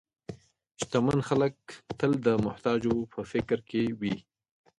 شتمن خلک تل د محتاجو په فکر کې وي.